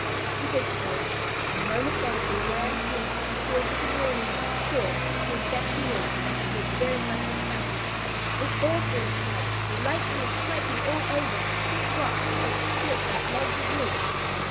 He did so. A moment later the man who had before given warning of the storm came dashing in. He was very much excited. "It's awful!" he cried. "The lightning is striking all over! Big rocks are being split like logs of wood!"